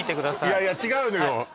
いやいや違うのよ